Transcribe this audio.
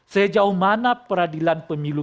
sejauh mana peradilan pemilu